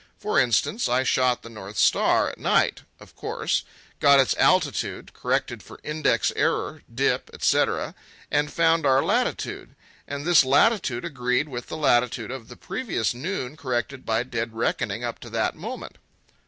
For instance, I shot the North Star, at night, of course; got its altitude, corrected for index error, dip, etc., and found our latitude. And this latitude agreed with the latitude of the previous noon corrected by dead reckoning up to that moment.